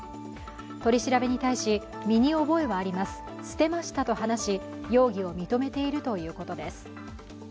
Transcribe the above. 取り調べに対し、身に覚えはあります、捨てましたと話し容疑を認めているということです。